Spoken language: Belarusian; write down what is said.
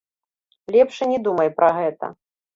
Лепш і не думай пра гэта.